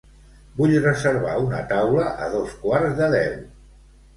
Vull reservar una taula a dos quarts de deu.